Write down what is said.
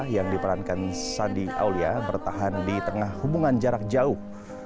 yang diperankan sandi aulia bertahan di tengah hubungan jarak jauh